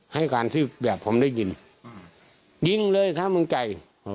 ให้การที่แบบผมได้ยินยิงเลยถ้ามันใจ